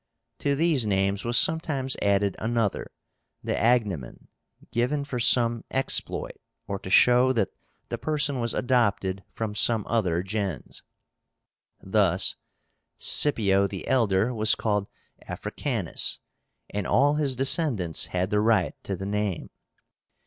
To these names was sometimes added another, the agnomen, given for some exploit, or to show that the person was adopted from some other gens. Thus Scipio the elder was called AFRICÁNUS, and all his descendants had the right to the name.